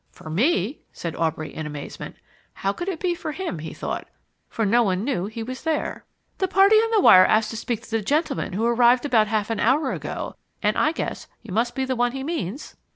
"For ME?" said Aubrey in amazement. How could it be for him, he thought, for no one knew he was there. "The party on the wire asked to speak to the gentleman who arrived about half an hour ago, and I guess you must be the one he means."